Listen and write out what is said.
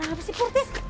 nah apa sih pur tis